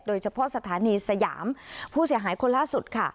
โดยเฉพาะสถานีสยามผู้เสียหายคนล่าสุดค่ะ